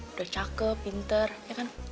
udah cakep pinter ya kan